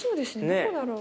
どこだろう？